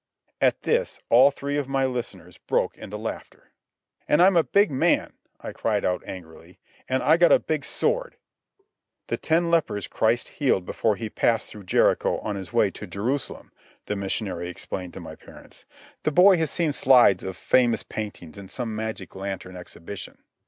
At this all three of my listeners broke into laughter. "An' I'm a big man!" I cried out angrily. "An' I got a big sword!" "The ten lepers Christ healed before he passed through Jericho on his way to Jerusalem," the missionary explained to my parents. "The boy has seen slides of famous paintings in some magic lantern exhibition."